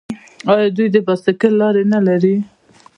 آیا دوی د بایسکل لارې نلري؟